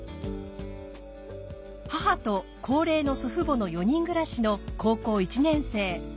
母と高齢の祖父母の４人暮らしの高校１年生。